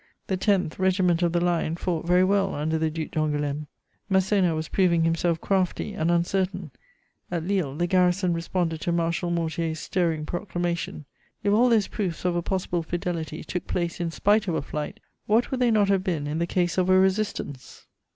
The loth Regiment of the line fought very well under the Duc d'Angoulême; Masséna was proving himself crafty and uncertain; at Lille, the garrison responded to Marshal Mortier's stirring proclamation. If all those proofs of a possible fidelity took place in spite of a flight, what would they not have been in the case of a resistance?